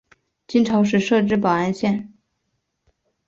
金朝时设置保安县。